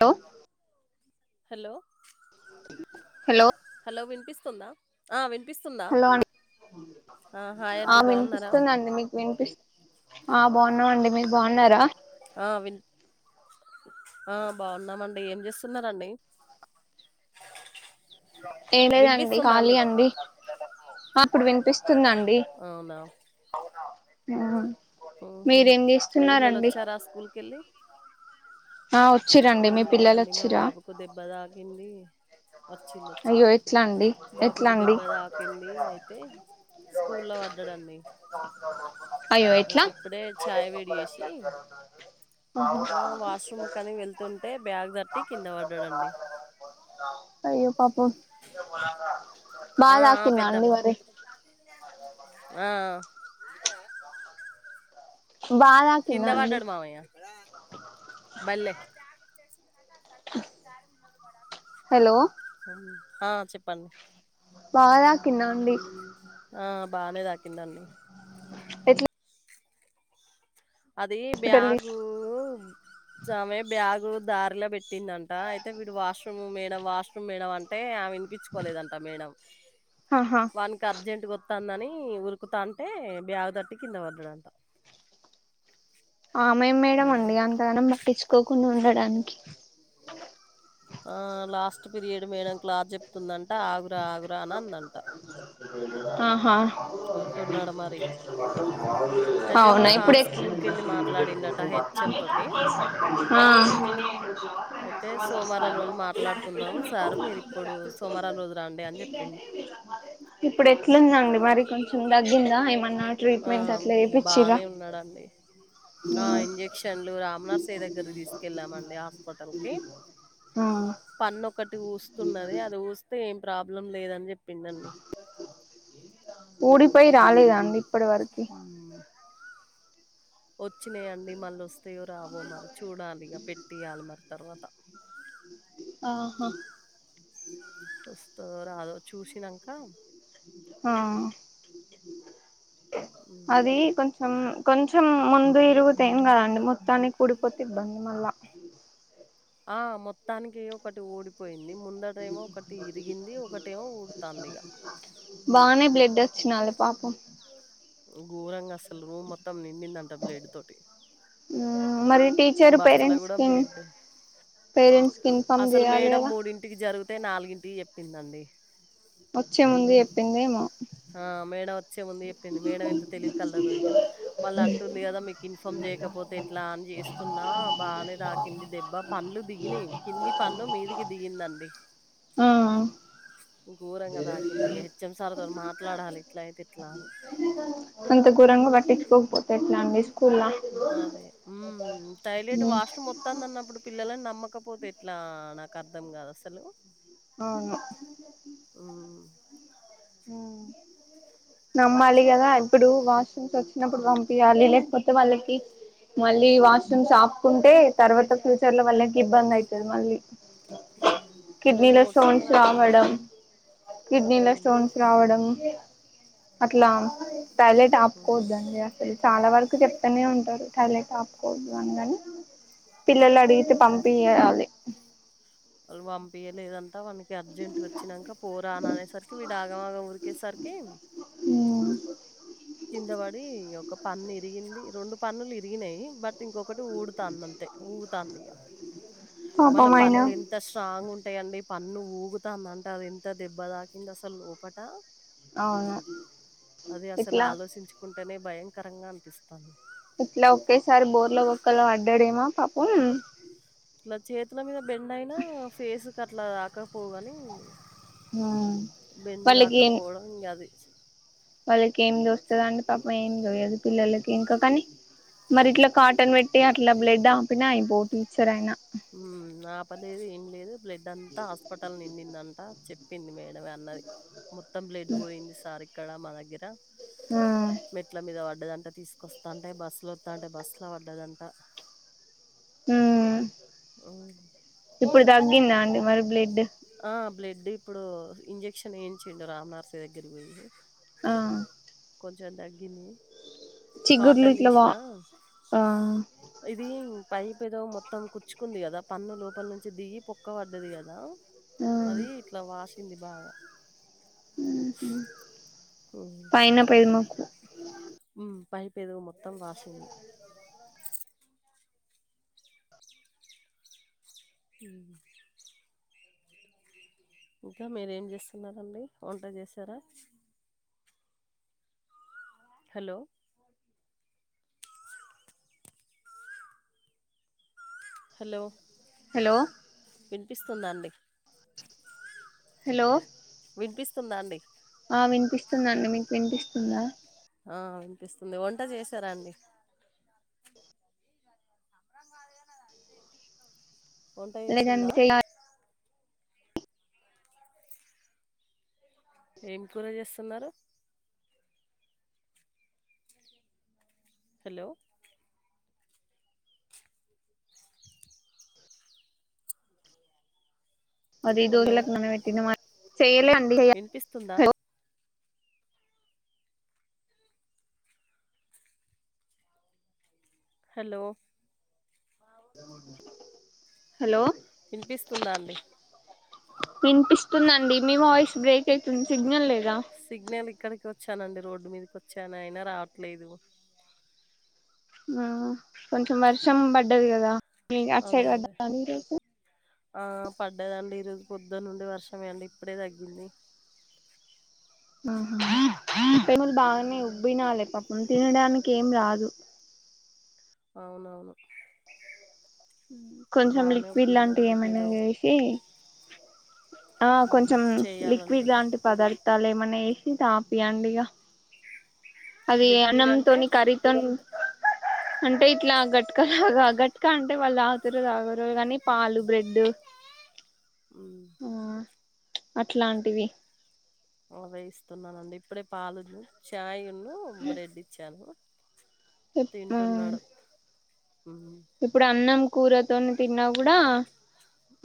To hello hello hello వినిపిస్తుందా ఆ వినిపిస్తుందా హలో అండి ఆ హాయ్ ఆ అండి బాగున్నారా వినిపిస్తుందండి మీకు వినిపిస్ ఆ బాగున్నామండి మీరు బాగున్నారా ఆ విన్ ఆ బాగున్నామండి ఏం చేస్తున్నరండి ఏం లేదండి ఖాళీ అండి ఆ ఇప్పుడు వినిపిస్ వస్తుందండి అవునా అవునా ఆ మీరేం చేస్తున్నారండి గుల్కెళ్ళి ఆ వచ్చర ఏం లేదండి మా బాబుకు దెబ్బ తాకింది వచ్చిళ్ళు అయ్యో వచ్చిళ్ళు ఎట్లా అండి ఎట్లా బాబుకు అండి దెబ్బ తాకింది అయితే స్కూలో పడ్డడు అండి అయ్యో ఎట్లా అయితే ఇప్పుడే చాయ్ వేడి చేసి ఆ వాష్రూమ్ కనీ వెళ్తుంటే బ్యాగ్ తట్టి కింద పడ్డడండి అయ్యో పాపం ఆ బాగ ఆ తాకింద అండి పెద్దమ్మ మరి ఆ బాగా తాకిందా కింద అండి పడ్డడు మావయ్య బల్లో హలో ఆ చెప్పండి బాగ తాకింద అండి ఆ బానే తాకిందండి ఎట్ల అది హాస్పిటల్ తీస్ బ్యాగు సామె బ్యాగు దారిలో పెట్టిందంట అయితే వీడు వాష్రూమ్ మేడ వాష్ మేడం అంటే ఆమె వినిపించుకోలేదంట మేడం ఆహా వానికి అర్జెంట్గా వత్తందని ఉరుకుతాంటే బ్యాగు తట్టి కింద పడ్డడంట [inaudible] ఆమెం మేడం అండి అంతగానం పట్టించుకోకుండా ఉండడానికి ఆ లాస్ట్ పీరియడ్ మేడం క్లాస్ చెప్తుందంట ఆగురా ఆగురా అని అందంట ఆహా అంటున్నాడు మరి ఇగ అవునా ఇప్పుడు స్కూల్కి ఎట్ల వెళ్ళి మాట్లాడిండట హెచ్ఎం తోటి ఆ అయితే సోమవారం రోజు మాట్లాడుకుందాం సార్ మీరు ఇప్పుడు సోమవారం రోజు రండి అని జెప్పిండు. ఇప్పుడు ఎట్లుందండి మరి కొంచెం తగ్గిందా ఏమన్నా ఆ ట్రీట్మెంట్ అట్లా చేపిచ్చిరా బానే ఉన్నడండి ఆ ఇంజె క్షన్లు రామనర్సియ దగ్గరకి తీసుకెళ్ళామండి హాస్పిటల్ కి ఆ పన్ను ఒకటి ఊస్తున్నది అది ఊస్తే ఏం ప్రాబ్లం లేదని చెప్ ఊడిపోయి రాలేదా అండి ఇప్పటి వరకి వచ్చినయిఅండి మళ్ళ వస్తేయో రావో మరి చూడాలిగా పెట్టియాలి మరి ఇగ తర్వాత ఆహా వస్తదొ రాదో చూసినాంక ఆ హ్మ్. అది కొంచాం అవును కొంచెం ముందు ఇరుగుతే ఏం కదండి మొత్తానికి ఉడిపోతే ఇబ్బంది మళ్ళ ఆ మొత్తానికి ఒకటి ఊడి పోయింది ముందటది ఏమో ఒకటి ఇరిగింది ఒకటేమో ఊడతాంది ఇగా బానే బ్లడ్ వచ్చినాల పాపం ఘోరంగా అసలు రూమ్ మొత్తం నిండిందంట బ్లడ్ తోటి ఆ మరి టీ బస్తల కూడా బ్లడ్డే పేరెంట్స్ కి ఇన్ఫార్మ్ అసలు చేయాలి మేడం కదా మూడింటికి జరిగితే నాలుగింటికి చెప్పిందండి వచ్చే ముందు చెప్పిందేమో ఆ మేడమ్ వచ్చే ముందు చెప్పింది మేడం ఎంత తెలివికల్లదో ఇంకా మళ్ళ అంటుంది కదా మీకు ఇన్ఫామ్ చేయకపోతే ఎట్లా అని చేస్తున్నా బాగనే దా కింది దెబ్బ పండ్లు దిగినయి కింది పన్ను మీదికి దిగిందండి ఆ ఘోరంగా ఐతే ఎట్లా అని అంత ఘోరంగ పట్టించుకోకపోతే ఎట్లాండి స్కూల్లా అదే ఉమ్ టైలట్ వాష్రూమ్ ఒత్త ఒత్తాందన్నప్పుడు పిల్లలని నమ్మకపోతే ఎట్లా నాకు అర్థం కాదు అసలు అవును ఆ హ నమ్మాలి కదా ఇప్పుడు వాష్రూమ్స్ వచ్చినప్పుడు పంపియ్యాలి లేకపోతే వాళ్ళకి మళ్ళీ వాష్రూమ్స్ ఆపుకుంటే తర్వాత ఫ్యూచర్లో వాళ్ళకి ఇబ్బంది అయితది మళ్ళీ రెండు కిడ్నీలో మూడు స్టోన్స్ సార్లు రావడం అడిగిండంట కిడ్నీలో స్టోన్స్ రావడం అట్లా టైలెట్ ఆపుకోవద్దండి అసలు చాలా వరకు చెప్తనే ఉంటరు టాయిలెట్ ఆపుకోవద్దు అని గాని పిల్లలడిగితే పంపియ్యాలి వాళ్ళు పంపియ్యలేదంటా వానికి అర్జెంట్గ వచ్చినంకా పోరా అని అనేసరికి వీడు ఆగమాగం ఉరికేసరికి జా ఆ కింద పడి ఒక పన్ను ఇరిగింది రెండు పన్నులు ఇరిగినయి బట్ ఇంకొకటి ఊడు తాందంతే ఊగుతాందిగా మన పాపం ఆయన పండ్లు ఎంత ఎంత స్ట్రాంగ్ ఉంటయండి పన్ను ఊగుతాందంటే అది ఎంత దెబ్బ తాకింది అసలు లోపట అవును ఇట్లా చించుకుంటేనే భయంకరంగా అనిపిస్తాంది ఇట్ల ఒకేసారి బోర్ల బొక్కల పడ్డడేమో పాపం ఇట్ల చేతుల మీద బెండ్ అయినా ఫేస్కట్లా తాకకపోవు గాని హ్మ్ బెండు కాకపోవడం ఇంగది వాళ్లకేం తోస్తదండి పాపం ఏమి తోయదు పిల్లలకి ఇంకా కానీ మరి ఇట్ల కాటన్ పెట్టి అట్ల బ్లడ్ ఆపిన అయిపోవు టీచర్ ఆయిన ఆపలేదు ఏం లేదు బ్లడ్ అంతా హాస్పటల్ నిండిందంట చెప్పింది మేడమే అన్నది మొత్తం బ్లడ్ పోయింది సార్ ఇక్కడ మా దగ్గర ఆ మెట్ల మీద పడ్డదంట తీసుకొస్తంటే బస్సుల వస్తాంటే బస్సులో వడ్డదంట ఉమ్ ఆ ఇప్పుడు తగ్గిందా అండి మరి బ్లడ్ ఆ బ్లడ్ ఇప్పుడు ఇంజక్షన్ ఏయించిండు రామనర్సయ్య దగ్గరకి పోయి ఆ కొంచెం తగ్గింది చిగుర్లు కాటన్ ఇట్లా వా తీసినా ఆ ఇది పైప్ ఏదో మొత్తం కుచ్చుకుంది కదా పన్ను లోపల నుంచి దిగి పొక్క పడ్డది కదా అది ఇట్ల వాసింది బాగా ఆహా మ్మ్ [unintelligible] కు మ్మ్ పైపు ఎదుగు మొత్తం వాసంది మ్మ్ ఇంక మీరేం చేస్తున్నారండి వంట చేసారా హలో హలో హలో వినిపిస్తుందా అండి హలో వినిపిస్తుందా అండి ఆ వినిపిస్తుందండి మీకు వినిపిస్తుందా ఆ వినిపిస్తుంది వంట చేశారా అండి వంట చేసిందా లేదండి చెయ్యాలి ఏం కూర చేస్తున్నారు హలో అదే హలో! [unintelligible] మా చేయలే అండి వినిపిస్తుందా హలో హలో వినిపిస్తుందా అండి వినిపిస్తుందండి మీ వాయిస్ బ్రేక్ అయితుంది సిగ్నల్ లేదా సిగ్నల్ ఇక్కడికి వచ్చానండి రోడ్డు మీదకి వచ్చాను అయినా రావట్లేదు ఆ కొంచెం వర్షం పడ్డది కదా మీ అట్ అదే సైడ్ పడ్ అదే. ఈ రోజు ఆ పడ్డదండి ఈ రోజు పొద్దున్నుండి వర్షమే అండి ఇప్పుడే తగ్గింది ఆ [inaudible] బాగానే హ్మ్. ఉబ్బినా [inaudible] లేకపోతే తినడానికి ఏం రాదు అవునవును కొంచెం బానే లిక్విడ్ లాంటివి ఒప్పిందండి ఏమన్న ఏదో చేసి ఆ కొంచెం చేయాలండి లిక్విడ్ ఇగ లాంటి పదార్థాలు ఏమన్నా వేసి తాపియండి ఇగా అది లిక్విడ్ అంటే అన్నంతోని కర్రీతో అంటే ఇట్లా గట్టుకలాగాగట్ క అంటే వాళ్ళ ఆకలి తాగరు కానీ పాలు, బ్రెడ్ మ్మ్ ఆ అట్లాంటివి ఆ వేయిస్తున్నానండి ఇప్పుడే పాలు, ఛాయ్ ను బ్రెడ్ ఇ చ్చాను తింటున్నాడు మ్మ్ ఇప్పుడు అన్నం కూర తోని తిన్నా కూడా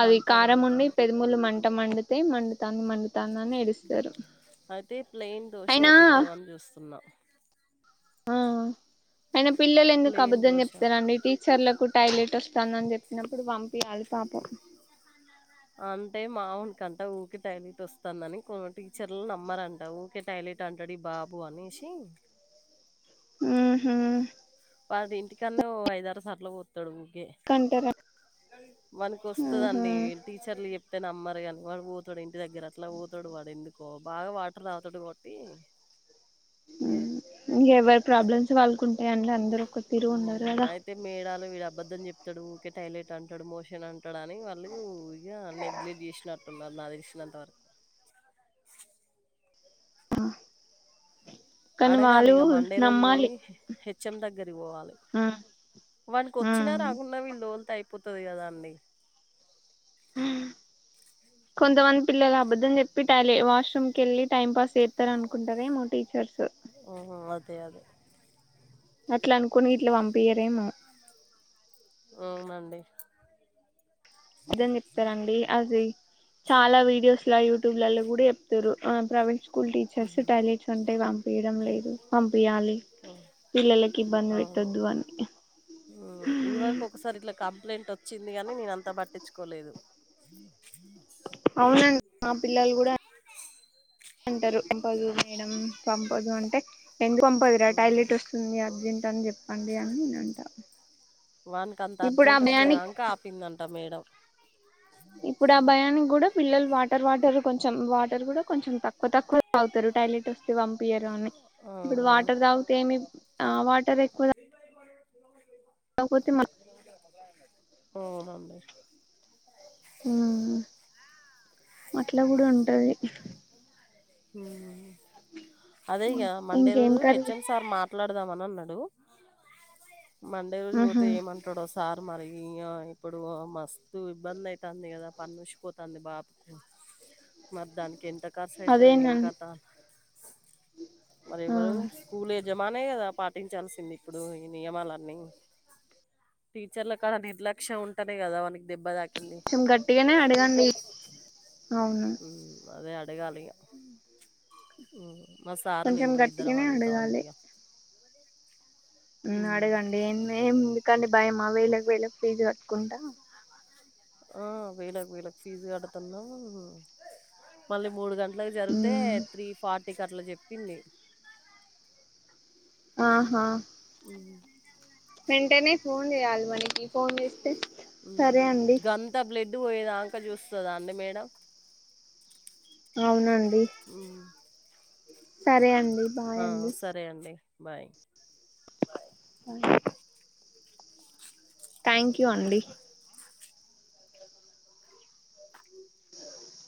అది మంట కారం ఉండి మండుతది పెదముల్ మంట టా మండితే మండుతాంది మండుతంది అని ఏడుస్తారు అయితే ప్లెయిన్ దోశ అయినా వేపిద్దామని చూస్తున్నా ఆ అయిన పిల్లలు ఎందుకు ప్లెయిన్ అబద్ధం దోశ చెప్తారు ఆమెకి చెర్లకు టాయిలెట్ వస్తుందని చెప్పినప్పుడు పంపియ్యాలి పాపం అంటే మావన్కంట ఊర్కే టాయిలెట్ వస్తాందని కొ టీచర్లు నమ్మరంట ఊకె టాయిలెట్ ట్టంటడు ఈ బాబు అనేసి మ్మ్ హ్మ్ వాడు ఇంటికనే ఓ ఐదు ఆరుసార్లు పోస్తాడు ఓకే కంటార వనుకోస్తదండి ఆహా టీచర్లు చెప్తే నమ్మరు కానుక ఊతాడు ఇంటి దగ్గర అట్లా ఊతాడు వాడు ఎందుకో బాగా వాడు ల తోటి కొట్టి ఇంగా ఎవరి ప్రాబ్లమ్స్ వాళ్ల కి ఉంటాయిండి అందరు ఒక తీరు ఉ ఉండరు కదా ఆయితే తే మేడాలు వీడు అబద్ధం చెప్తాడు ఊకే టాయిలెట్ అంటాడు మోషన్ అంటాడు అని వాళ్ళు నెగ్లెట్ చేసినారు గట్ల ఉన్నరు నాకు తెలిసినంతవరకు ఆ అడగాలి ఇగ మండే రోజు నమ్మాలి పోయి హెచ్ఎం దగ్గరికి పోవాలి వాకి వచ్చినా రాకుండా వీళ్ళు తోలుతే అయిపోతుంది కదా అండి ఉ కొంతమంది పిల్లలు అబద్ద్దంని చెప్పి టాయి వాష్రూమ్ కెల్లి టైం పాస్ చేస్తారు అనుకుంటారే మా టీచర్స్ ఉహు అదే అదే అట్లానుకుని ఇట్లా పంపియారేమో అవునండి నిజం చెప్తారండి అది చాలా వీడియోస్ లో యూట్యూబ్లలో కూడా చెప్తారు ప్రైవేట్ స్కూల్ టీచర్స్ టాయిలెట్స్ ఉంటాయి వాం పంపియడం లేదు పంపియాలి హ్మ్. పిల్లలకి ఇబ్బంది పెట్టొద్దు అని ఇది వరకు ఒకసారి ఇట్లా కంప్లైంట్ వచ్చింది గానీ నేన అంత పట్టించుకోలేదు ఉ హు అవునండి మా పిల్లలు కూడా అంటారు పంపదు మేడం పంపదు అంటే ఎందుకు పంపదురా టైలెట్ వస్తుంది అర్జెంట్ అని చెప్పండి అని నేను అంటా వాకి అంత ఇప్పుడు ఆ అర్జెంట్ వచ్చేద భయానికి కా ఆపిందంట మేడం ఇప్పుడు ఆ భయానికి కూడా పిల్లలు వాటి వార్ వాటర్ కొంచెం వాటర్ కూడా కొంచెం తక్కువ తక్కువ అవుతారు టాయిలెట్ వస్తే పంపియారు అని ఇప్పుడు అవునవును వాటర్ తాగితేమి ఆ వాటర్ ఎక్కువ తాగకపోతే మ అవునండి ఆ అట్లా కూడా ఉంటది ఆ అదే ఇగ మండే ఇంకేం రోజు కర్రీ హెచ్ఎం సార్ మాట్లాడదాం అని అన్నాడు మండే రోజు ఆహా పోతే ఏమంట అక్కడో సార్ మరి ఇప్పుడు మస్తు ఇబ్బంది అవుతుంది కదా పన్ను ఊచిపోతుంది బబు మరి దానికి ఎంత ఖర్చు అవుతుంది ఇంక అదేనండి దానికి మరి ఆ ఎవరు స్కూల్ యజమానే కదా పాటించాల్సింది ఇప్పుడు ఈ నియమాలన్ని టీచర్ల కడ నిర్లక్ష్యం ఉంటనే కదా వానికి దెబ్బ తాకింది కొంచెం గట్టిగానే అడగండి అవును అదే అడగాలి ఈగ మా సారు కొంచెం నేను ఇద్దరం గట్టిగానే అడుగుతాం అడగాలి ఇగ అడగండి ఏ ఎందుకండి భయమా వేళకి వేళకి ఫీజు కట్టుకుంటా ఆ వేల వేలకి ఫీజు కడుతున్నామ్ మళ్ళీ మూడు గంటలలకు జరిగితే ఉమ్ త్రీ ఫార్టీకి అట్లా చెప్పింది ఉ ఓహో ఊ వెంటనే ఫోన్ చేయాలి మనకి ఫోన్ చేస్తే సరే అండి అంత బ్లెడ్ పోయేదాంక చూస్తుందా అండి మేడం అవునండి ఉమ్. సరే అండి బాయ్ ఆ అండి సరే అండి బాయ్ ఆ థ్యాంక్ యూ అండి అ